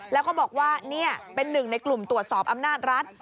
แล้วก็บอกว่านี่เป็นหนึ่งในกลุ่มตรวจสอบอำนาจรัฐ